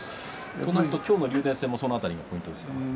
今日の竜電戦もその辺りがポイントですか？